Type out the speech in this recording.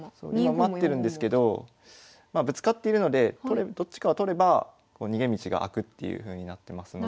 今埋まってるんですけどぶつかっているのでどっちかを取れば逃げ道が開くっていうふうになってますので。